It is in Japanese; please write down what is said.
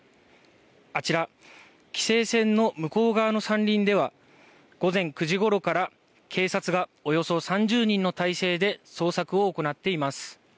あちら、規制線の向こう側の山林では午前９時ごろから警察がおよそ３０人の態勢で捜索を行っています。